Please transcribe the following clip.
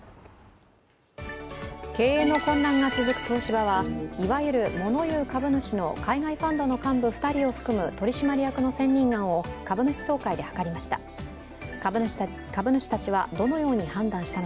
経営の困難が続く東芝はいわゆる物言う株主の海外ファンドの幹部２人を含む取締役の選任案を株主総会で諮りました。